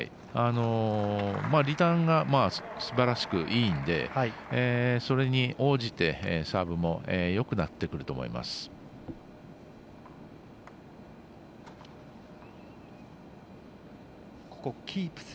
リターンがすばらしくいいんでそれに応じてサーブもよくなってくると思います。